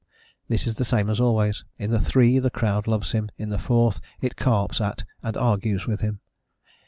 This is the same as always: in the three the crowd loves him; in the fourth it carps at and argues with him.